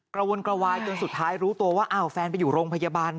กระวนกระวายจนสุดท้ายรู้ตัวว่าอ้าวแฟนไปอยู่โรงพยาบาล